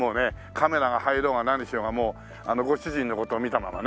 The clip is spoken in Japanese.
カメラが入ろうが何しようがもうご主人の事を見たままね。